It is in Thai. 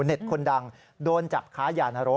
คนดังโดนจับค้ายานรก